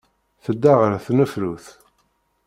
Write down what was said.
Tedda ɣer tnefrut.